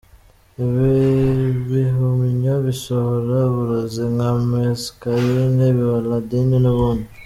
Ibibihumyo bisohora uburozi nka muscarine, halloidine n’ubundi,….